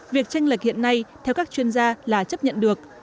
việc tranh lệch hiện nay theo các chuyên gia là chấp nhận được